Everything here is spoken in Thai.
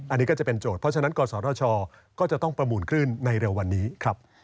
อันนี้ก็จะเป็นโจทย์เพราะฉะนั้นกศธชก็จะต้องประมูลคลื่นในเร็ววันนี้ครับ